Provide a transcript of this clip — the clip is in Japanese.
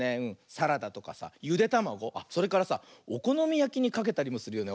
サラダとかさゆでたまごあっそれからさおこのみやきにかけたりもするよね。